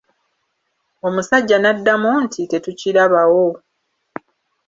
Omusajja n'addamu nti tetukirabawo.